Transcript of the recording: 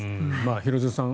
廣津留さん